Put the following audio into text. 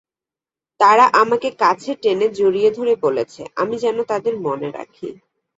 তাঁরা আমাকে কাছে টেনে জড়িয়ে ধরে বলেছে আমি যেন তাঁদের মনে রাখি।